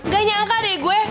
gak nyangka deh gue